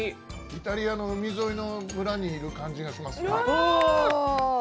イタリアの海沿いの村にいる感じがしますね。